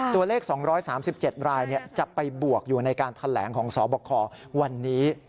ตัวเลข๒๓๗รายจะไปบวกอยู่ในการแถลงของสบควันนี้